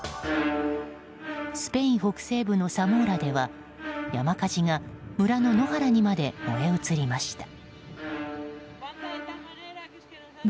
スペイン北西部のサモーラでは山火事が村の野原にまで燃え移りました。